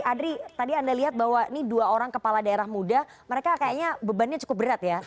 adri tadi anda lihat bahwa ini dua orang kepala daerah muda mereka kayaknya bebannya cukup berat ya